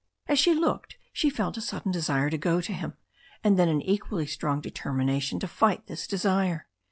As she looked she felt a sudden desire to go to him, and then an equally strong determination to fight this desire.